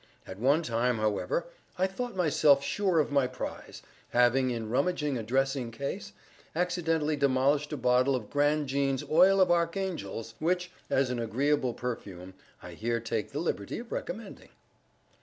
At one time, however, I thought myself sure of my prize, having, in rummaging a dressing case, accidentally demolished a bottle of Grandjean's Oil of Archangels—which, as an agreeable perfume, I here take the liberty of recommending.